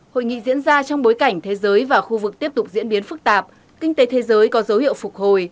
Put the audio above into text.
hội nghị diễn ra trong bối cảnh thế giới và khu vực tiếp tục diễn biến phức tạp kinh tế thế giới có dấu hiệu phục hồi